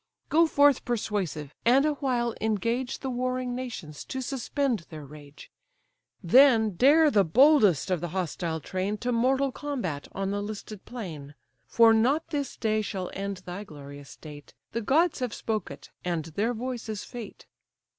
Go forth persuasive, and a while engage The warring nations to suspend their rage; Then dare the boldest of the hostile train To mortal combat on the listed plain. For not this day shall end thy glorious date; The gods have spoke it, and their voice is fate."